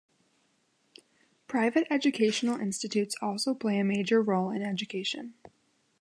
Private educational institutes also play a major role in education.